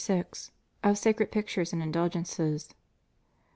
Of Sacred Pictures and Indulgences.